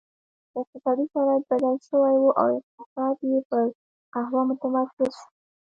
اقتصادي شرایط بدل شوي وو او اقتصاد یې پر قهوه متمرکز شو.